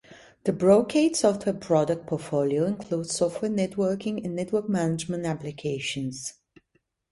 The Brocade software product portfolio includes software networking and network management applications.